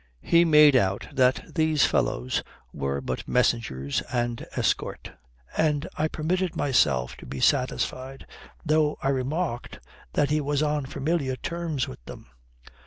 He made out that these fellows were but messengers and escort, and I permitted myself to be satisfied, though I remarked that he was on familiar terms with them.